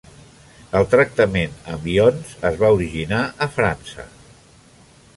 El tractament amb ions es va originar a França.